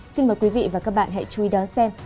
xin mời quý vị và các bạn hãy đón xem